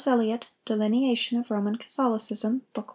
Elliott, "Delineation of Roman Catholicism," bk.